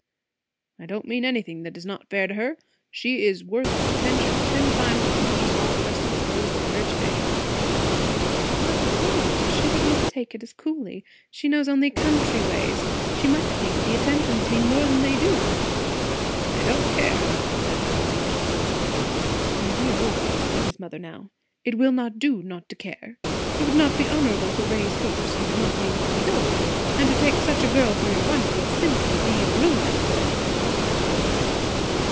"I don't mean anything that is not fair to her. She is worth attention ten times as much as all the rest of the girls that were here to day." "But, Tom, she would not take it as coolly. She knows only country ways. She might think attentions mean more than they do." "I don't care," said Tom. "My dear boy," said his mother now, "it will not do, not to care. It would not be honourable to raise hopes you do not mean to fulfil; and to take such a girl for your wife, would be simply ruinous."